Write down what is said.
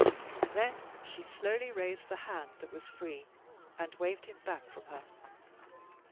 Then she slowly raised the hand that was free, and waved him back from her.